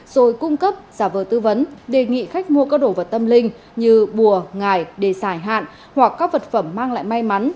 rồi cung cấp giả vờ tư vấn đề nghị khách mua các đồ vật tâm linh như bùa ngải để giải hạn hoặc các vật phẩm mang lại may mắn